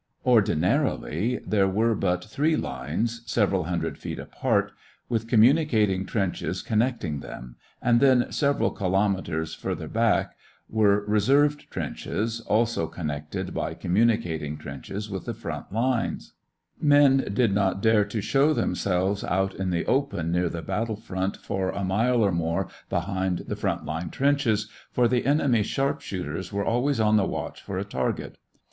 Ordinarily there were but three lines, several hundred feet apart, with communicating trenches connecting them, and then several kilometers farther back were reserve trenches, also connected by communicating trenches with the front lines. A kilometer is, roughly, six tenths of a mile; or six miles would equal ten kilometers. Men did not dare to show themselves out in the open near the battle front for a mile or more behind the front line trenches, for the enemy's sharp shooters were always on the watch for a target.